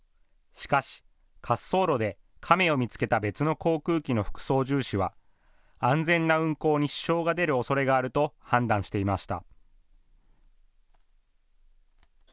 しかし、滑走路でカメを見つけた別の航空機の副操縦士は安全な運航に支障が出るおそれがあると判断していました。